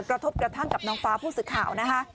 กระทบกระทั่งกับน้องฟ้าผู้สื่อข่าวนะคะ